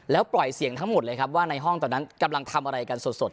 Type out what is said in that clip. แล้วปล่อยเสียงทั้งหมดเลยครับว่าในห้องตอนนั้นกำลังทำอะไรกันสด